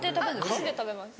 箸で食べます。